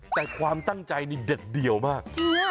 แต่ความตั้งใจนี่เด็ดเดี่ยวมาก